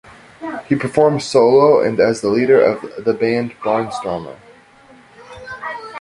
He performs solo and as the leader of the band Barnstormer.